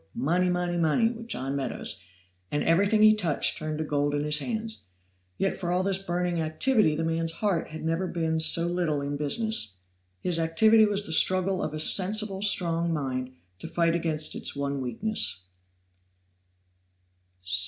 work! money! money! money! with John Meadows, and everything he touched turned to gold in his hands; yet for all this burning activity the man's heart had never been so little in business. His activity was the struggle of a sensible, strong mind to fight against its one weakness.